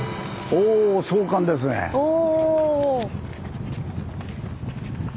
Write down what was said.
おお。